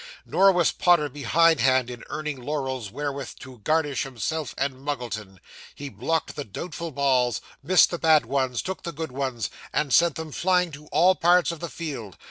Nor was Podder behindhand in earning laurels wherewith to garnish himself and Muggleton. He blocked the doubtful balls, missed the bad ones, took the good ones, and sent them flying to all parts of the field.